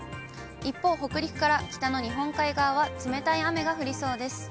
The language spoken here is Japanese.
一方、北陸から北の日本海側は冷たい雨が降りそうです。